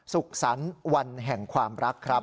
สุขสรรค์วันแห่งความรักครับ